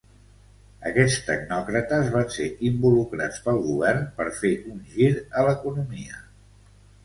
Aquests tecnòcrates van ser involucrats pel Govern per fer un gir a l'economia.